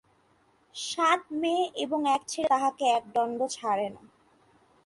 সাত মেয়ে এবং এক ছেলে তাঁহাকে এক দণ্ড ছাড়ে না।